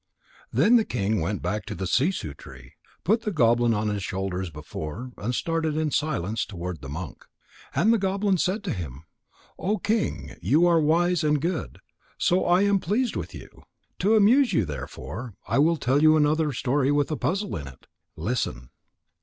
_ Then the king went back to the sissoo tree, put the goblin on his shoulder as before, and started in silence toward the monk. And the goblin said to him: "O King, you are wise and good, so I am pleased with you. To amuse you, therefore, I will tell you another story with a puzzle in it. Listen."